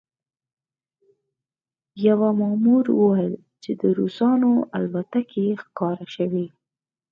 یوه مامور وویل چې د روسانو الوتکې ښکاره شوې